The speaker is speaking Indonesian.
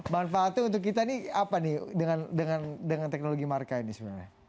manfaatnya untuk kita ini apa nih dengan teknologi marka ini sebenarnya